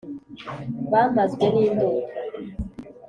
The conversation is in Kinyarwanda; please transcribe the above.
bamazwe n’indoto